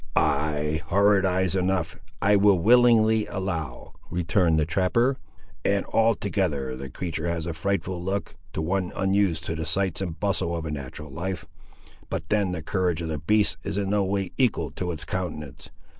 "Ay, horrid eyes enough, I will willingly allow," returned the trapper; "and altogether the creatur' has a frightful look, to one unused to the sights and bustle of a natural life; but then the courage of the beast is in no way equal to its countenance.